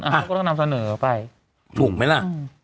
ก็ต้องนำเสนอไปถูกไหมล่ะ